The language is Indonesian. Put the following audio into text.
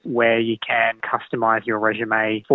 di mana anda bisa mengkustomisasi resume anda